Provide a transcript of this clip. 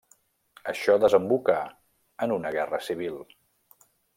Això desembocà en una Guerra civil.